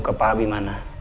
ke pak abi mana